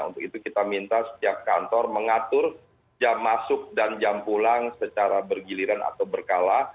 untuk itu kita minta setiap kantor mengatur jam masuk dan jam pulang secara bergiliran atau berkala